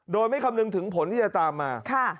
โดยไม่คำนึงถึงผลที่จะตามมา